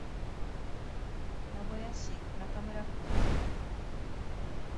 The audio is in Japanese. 名古屋市中村区